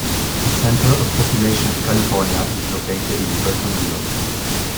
The center of population of California is located in Buttonwillow.